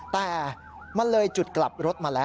แต่มันเลยจุดกลับรถมาแล้ว